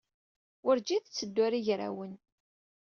Werǧin tetteddu ɣer yigrawen.